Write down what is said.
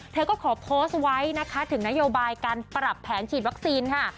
เธอก็ขอโพสต์ไว้นะคะถึงนโยบายการปรับแผนฉีดวัคซีนค่ะ